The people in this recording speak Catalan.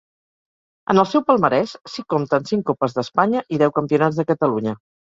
En el seu palmarès s'hi compten cinc Copes d'Espanya i deu campionats de Catalunya.